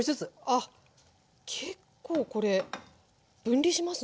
あっ結構これ分離しますね。